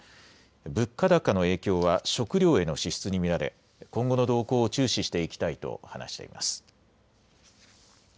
物価高の影響は食料への支出に見られ今後の動向を注視していきたいと話しています。